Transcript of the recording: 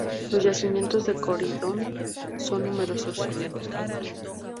Los yacimientos de corindón son numerosos.